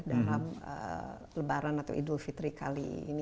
dalam lebaran atau idul fitri kali ini